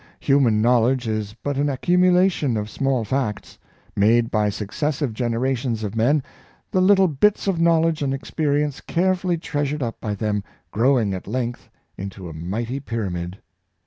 Human knowledge is but an accumulation of small facts, made by successive gener ' ations of men, the little bits of knowledge and experi ence carefully treasured up by them growing at length Garfield? s Success. 247 into a mighty pyramid.